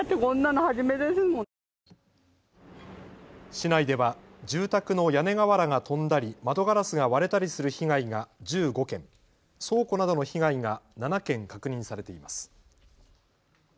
市内では住宅の屋根瓦が飛んだり窓ガラスが割れたりする被害が１５件、倉庫などの被害が７件確認されています。